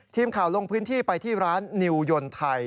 ทีมข่าวลงพื้นที่ไปที่ร้านนิวยนไทย